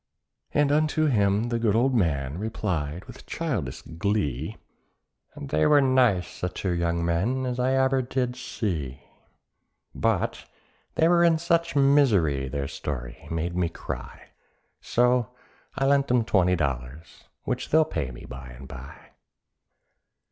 And unto him the good old man replied with childish glee, "They were as nice a two young men as I did ever see; But they were in such misery their story made me cry; So I lent 'em twenty dollars—which they'll pay me by and bye.